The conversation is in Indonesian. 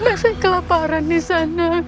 masih kelaparan nisana